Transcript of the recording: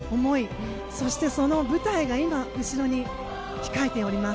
その思いそしてその舞台が今、後ろに控えております。